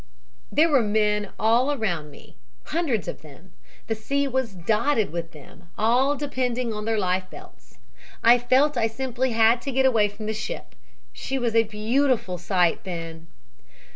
"There were men all around me hundreds of them. The sea was dotted with them, all depending on their life belts. I felt I simply had to get away from the ship. She was a beautiful sight then.